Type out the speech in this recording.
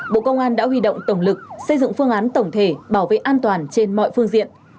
bộ công an đã huy động tổng lực xây dựng phương án tổng thể bảo vệ an toàn trên mọi phương diện